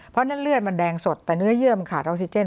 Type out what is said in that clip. เพราะฉะนั้นเลือดมันแดงสดแต่เนื้อเยื่อมันขาดออกซิเจน